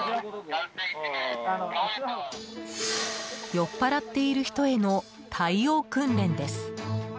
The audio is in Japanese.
酔っ払っている人への対応訓練です。